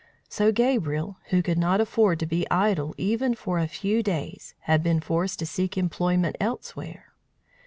So Gabriel, who could not afford to be idle even for a few days, had been forced to seek employment elsewhere.